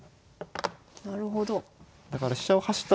なるほど。